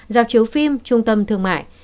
dạp chiếu phim trung tâm thương mại